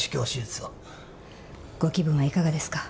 ご気分はいかがですか？